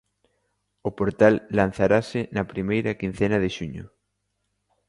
O portal lanzarase na primeira quincena de xuño.